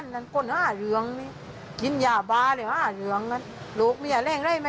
เนี่ยคุณเชิญนะครับ